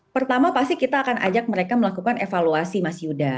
pertama pasti kita akan ajak mereka melakukan evaluasi mas yuda